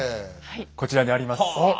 こちらにあります。